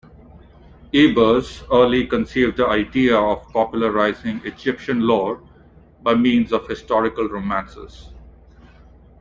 Ebers early conceived the idea of popularizing Egyptian lore by means of historical romances.